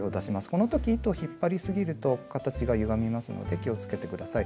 この時糸を引っ張りすぎると形がゆがみますので気をつけて下さい。